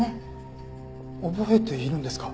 覚えているんですか？